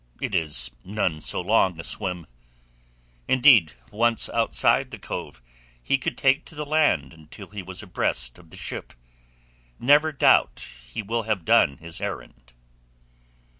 It is none so long a swim. Indeed, once outside the cove he could take to the land until he was abreast of the ship. Never doubt he will have done his errand."